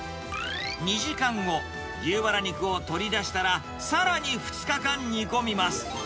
２時間後、牛バラ肉を取り出したら、さらに２日間煮込みます。